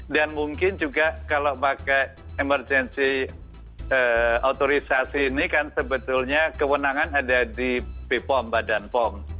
dan mungkin juga kalau pakai emergency authorization ini kan sebetulnya kewenangan ada di bipom badan pom